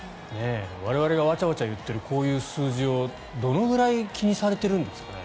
我々がわちゃわちゃ言っているこういう数字をどのぐらい気にされているんですかね。